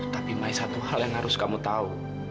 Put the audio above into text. tapi mai satu hal yang harus kamu tahu